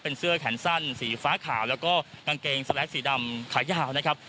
เป็นเสื้อแขนสั้นสีฟ้าขาวแล้วก็กางเกงสแลกสีดำขายาวนะครับ